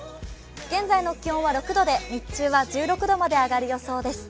現在の気温は６度で日中は１６度まで上がる予想です。